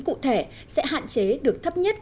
cụ thể sẽ hạn chế được thấp nhất